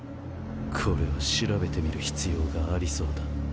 これは調べてみる必要がありそうだ。